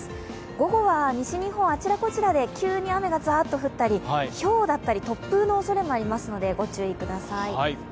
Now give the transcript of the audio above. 午後は西日本あちらこちらで急に雨がザーッと降ったりひょうだったり突風のおそれがありますので、ご注意ください。